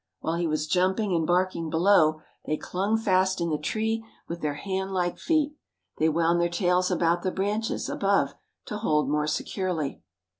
While he was jumping and barking below they clung fast in the tree with their hand like feet. They wound their tails about the branches above to hold more securely.